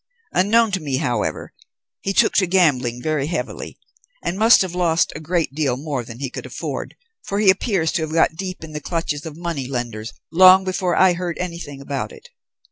Unknown to me, however, he took to gambling very heavily, and must have lost a great deal more than he could afford, for he appears to have got deep in the clutches of moneylenders long before I heard anything about it.